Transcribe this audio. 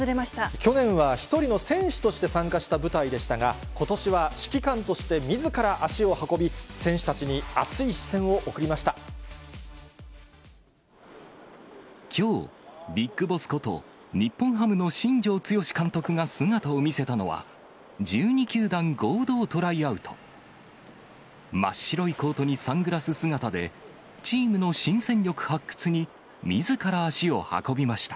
去年は一人の選手として参加した舞台でしたが、ことしは指揮官として、みずから足を運び、きょう、ビッグボスこと、日本ハムの新庄剛志監督が姿を見せたのは、１２球団合同トライアウト。真っ白いコートにサングラス姿で、チームの新戦力発掘に、みずから足を運びました。